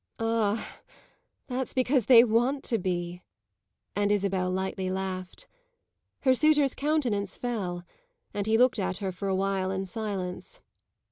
"Ah, that's because they want to be!" And Isabel lightly laughed. Her suitor's countenance fell, and he looked at her for a while in silence.